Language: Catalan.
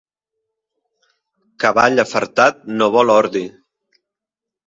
Cavall afartat no vol ordi.